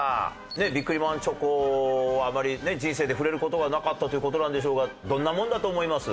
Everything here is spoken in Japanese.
ビックリマンチョコあまり人生で触れる事がなかったという事なんでしょうがどんなもんだと思います？